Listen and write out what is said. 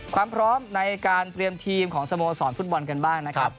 ความพร้อมในการเตรียมทีมของสโมสรฟุตบอลกันบ้างนะครับ